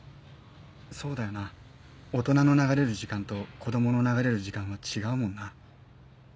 そうだよな大人の流れる時間と子供の流れる時間は違うもんな。